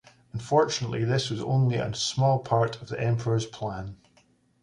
Unfortunately, this was only a small part of the Emperor's plan.